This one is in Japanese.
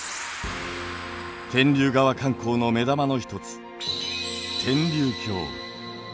天竜川観光の目玉の一つ天竜峡。